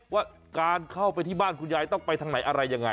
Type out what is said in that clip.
ว่าการเข้าไปที่บ้านคุณยายต้องไปทางไหนอะไรยังไง